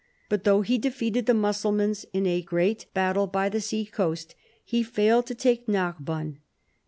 But though he defeated the Mussulmans in a great battle by the sea coast, he failed to take Narbonne.